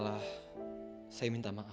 nah selamat itu dipercaya